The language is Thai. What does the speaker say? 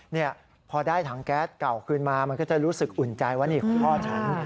เนี่ยพอได้ถังแก๊สเก่าคืนมามันก็จะรู้สึกอุ่นใจว่านี่คุณพ่อฉัน